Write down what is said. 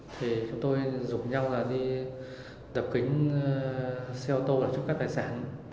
thì chúng tôi rủ nhau ra đi đập kính xe ô tô và trộm cắp tài sản